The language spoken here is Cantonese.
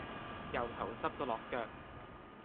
由頭濕到落腳